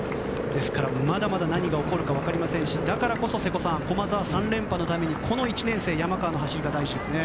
ですから、まだまだ何が起こるか分かりませんしだからこそ、瀬古さん駒澤は３連覇のためにこの１年生、山川の走りが大事ですね。